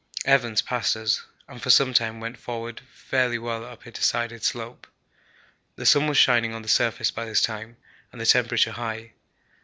Evans passed us, and for some time went forward fairly well up a decided slope. The sun was shining on the surface by this time, and the temperature high.